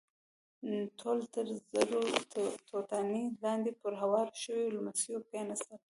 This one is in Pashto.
ټول تر زړو توتانو لاندې پر هوارو شويو ليمڅيو کېناستل.